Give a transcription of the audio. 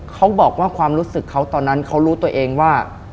เขาบอกว่าความรู้สึกเขาตอนนั้นเขารู้ตัวเองว่า